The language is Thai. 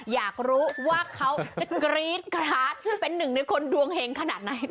อยากรู้ว่าเขาจะกรี๊ดกราดเป็นหนึ่งในคนดวงเห็งขนาดไหน